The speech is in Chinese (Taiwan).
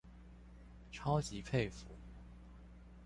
超級佩服